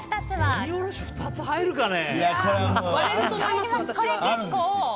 鬼おろし、２つ入るかね？